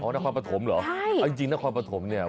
อ๋อนครปฐมเหรอจริงนครปฐมเนี่ย